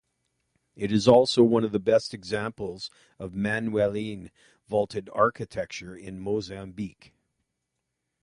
It is also one of the best examples of Manueline vaulted architecture in Mozambique.